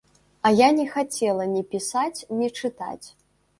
А я не хацела ні пісаць, ні чытаць!